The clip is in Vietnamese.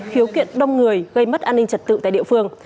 khiếu kiện đông người gây mất an ninh trật tự tại địa phương